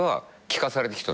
聞かされてきた。